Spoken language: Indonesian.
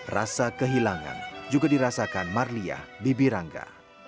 rasa kehilangan juga dirasakan marliah bibi rangga